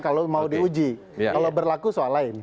kalau mau diuji kalau berlaku soal lain